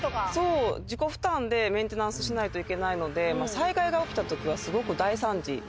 自己負担でメンテナンスしないといけないので災害が起きたときはすごく大惨事になりますし。